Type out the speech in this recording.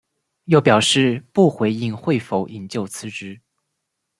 又表示不回应会否引咎辞职。